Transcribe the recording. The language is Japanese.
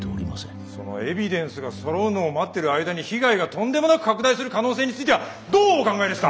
そのエビデンスがそろうのを待ってる間に被害がとんでもなく拡大する可能性についてはどうお考えですか？